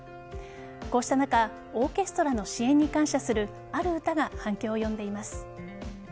こうした中オーケストラの支援に感謝するある歌が反響を呼んでいます。